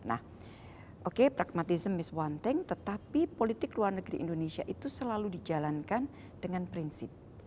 nah oke pragmatism is one thing tetapi politik luar negeri indonesia itu selalu dijalankan dengan prinsip